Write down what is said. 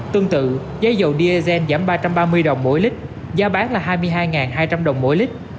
tương tự giá dầu diesel giảm ba trăm ba mươi đồng mỗi lít giá bán là hai mươi hai hai trăm linh đồng mỗi lít